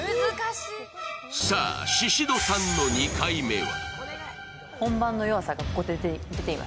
さあシシドさんの２回目は？